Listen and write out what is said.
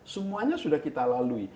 semuanya sudah kita lalui